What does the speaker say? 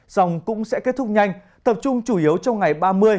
dòng cũng sẽ kết thúc nhanh tập trung chủ yếu trong ngày ba mươi